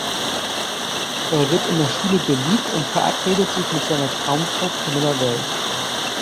Er wird in der Schule beliebt und verabredet sich mit seiner Traumfrau Pamela Wells.